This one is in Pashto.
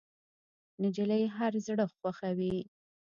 نجلۍ هر زړه خوښوي.